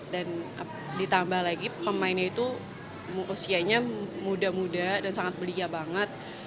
dan ditambah lagi pemainnya itu usianya muda muda dan sangat belia banget